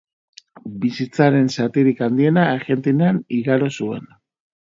Bizitzaren zatirik handiena Argentinan igaro zuen.